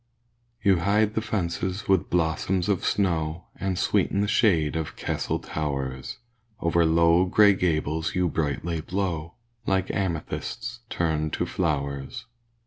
You hide the fences with blossoms of snow, And sweeten the shade of castle towers; Over low, grey gables you brightly blow, Like amethysts turned to flowers.